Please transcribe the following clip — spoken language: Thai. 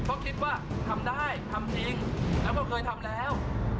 เพราะคิดว่าทำได้ทำจริงแล้วก็เคยทำแล้ว